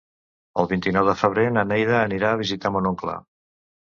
El vint-i-nou de febrer na Neida anirà a visitar mon oncle.